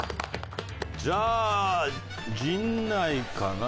じゃあ陣内かなあ。